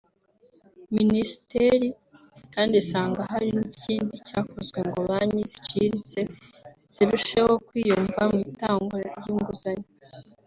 Minisiteri kandi isanga hari n’ikindi cyakozwe ngo banki ziciriritse zirusheho kwiyumva mu itangwa ry’inguzanyo